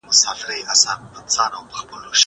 زه بايد سفر وکړم.